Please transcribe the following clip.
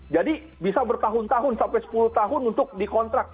jadi bisa bertahun tahun sampai sepuluh tahun untuk dikontrak